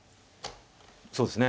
そうですね。